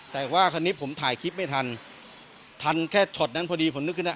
แต่ว่าคันนี้ผมถ่ายคลิปไม่ทันทันแค่ช็อตนั้นพอดีผมนึกขึ้นนะ